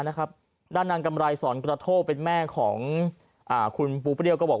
นะครับด้านนางกำไรศรกระโทษเป็นแม่ของอ่าคุณปูประเด็จก็บอก